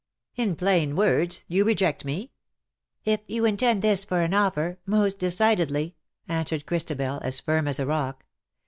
''" In plain words, you reject me ?"" If you intend this for an offer, most decidedly/' answered Christabel, as firm as a rock.